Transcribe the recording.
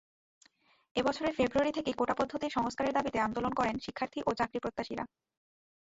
এ বছরের ফেব্রুয়ারি থেকে কোটাপদ্ধতির সংস্কারের দাবিতে আন্দোলন করেন শিক্ষার্থী ও চাকরিপ্রত্যাশীরা।